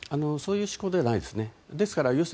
そういう思考ではないですね。